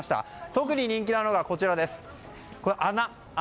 特に人気なのが、こちらの穴。